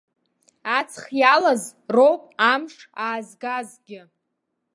Аҵх иалаз роуп амш аазгазгьы.